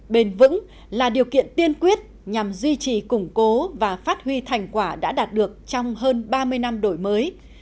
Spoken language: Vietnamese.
bền vững là điều kiện tiên quyết nhằm duy trì củng cố và phát huy thành quả đã đạt được trong hơn ba mươi năm đổi mới